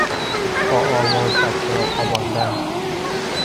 با آواز بچه را خواباندن